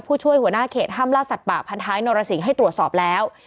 ผู้ช่วยหัวหน้าเขตห้ามล่าสัตว์ป่าพันท้ายนรสิงห์ให้ตรวจสอบแล้ว